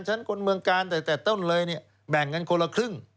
คนเมืองกาลแต่ต้นเลยเนี่ยแบ่งกันคนละครึ่ง